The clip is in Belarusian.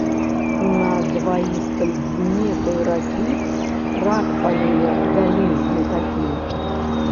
На дваістым дне той ракі рак палюе, вялізны такі.